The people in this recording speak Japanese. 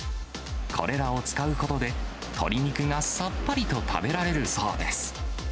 これらを使うことで、鶏肉がさっぱりと食べられるそうです。